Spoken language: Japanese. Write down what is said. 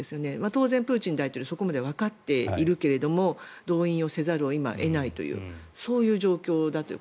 当然、プーチン大統領はそこまでわかっているけど動員せざるを得ないという状況だと。